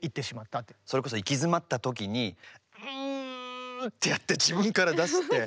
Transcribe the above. それこそ行き詰まった時にうん！ってやって自分から出して。